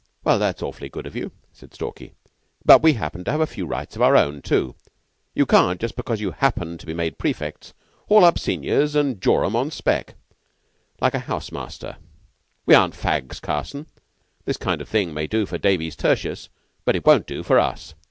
"Well, that's awfully good of you," said Stalky, "but we happen to have a few rights of our own, too. You can't, just because you happen to be made prefects, haul up seniors and jaw 'em on spec., like a house master. We aren't fags, Carson. This kind of thing may do for Davies Tertius, but it won't do for us."